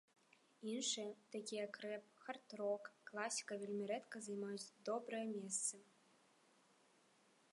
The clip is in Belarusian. Іншыя, такія як рэп, хард-рок, класіка вельмі рэдка займаюць добрыя месцы.